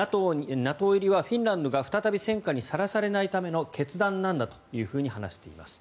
ＮＡＴＯ入りはフィンランドが再び戦火にさらされないための決断なんだと話しています。